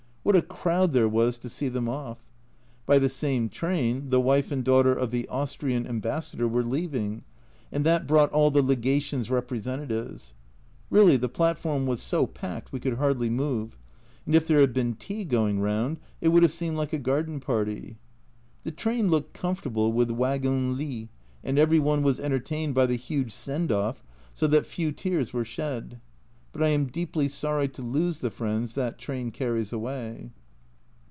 What a crowd there was to see them off! By the same train the wife and daughter of the Austrian Ambassador were leaving, and that brought all the Legations' representatives. Really the platform was so packed we could hardly move and if there had been tea going round it would have seemed like a garden party. The train looked com fortable, with wagons lit and every one was enter tained by the huge " send off," so that few tears were shed but I am deeply sorry to lose the friends that train carries away.